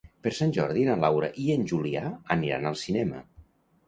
Per Sant Jordi na Laura i en Julià aniran al cinema.